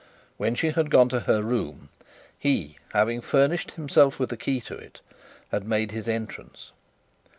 When she had gone to her room, he, having furnished himself with a key to it, had made his entrance.